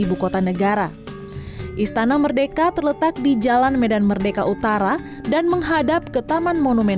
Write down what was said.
ibu kota negara istana merdeka terletak di jalan medan merdeka utara dan menghadap ke taman monumen